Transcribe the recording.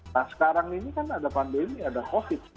nah sekarang ini kan ada pandemi ada covid